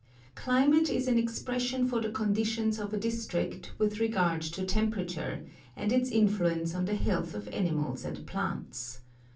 Climate is an expression for the conditions of a district with regard to temperature, and its influence on the health of animals and plants.